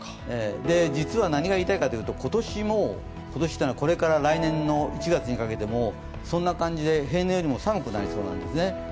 実は何が言いたいかというと今年、これから来年の１月にかけてもそんな感じで平年よりも寒くなりそうなんですね。